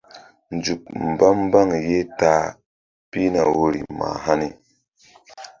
Nzuk mba mbaŋ ye ta a pihna woyri mah hani.